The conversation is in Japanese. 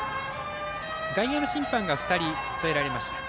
外野の審判が２人つけられました。